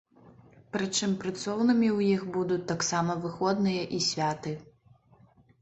Прычым працоўнымі ў іх будуць таксама выходныя і святы.